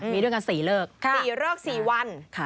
มีด้วยกัน๔เลิก๔เลิก๔วัน